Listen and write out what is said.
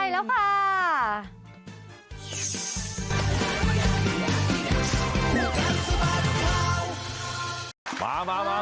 ใช่แล้วค่ะ